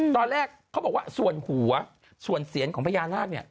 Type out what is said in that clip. ตอนแรกเขาบอกว่าส่วนหัวส่วนเสียนของพญานาคเนี่ย